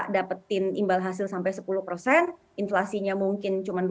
dapetin imbal hasil sampai sepuluh persen inflasinya mungkin cuma dua